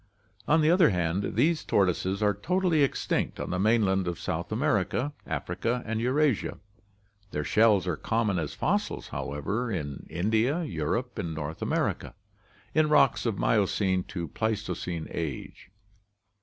On the other hand, these tortoises are totally extinct on the mainland of South America, Africa, and Eurasia. Their shells are common as fossils, however, in India, Europe, and North America, in rocks of Miocene to Pleistocene age.